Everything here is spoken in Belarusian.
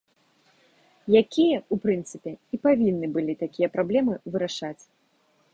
Якія, у прынцыпе, і павінны былі такія праблемы вырашаць.